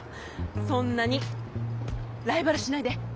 そんなにライバル視しないで。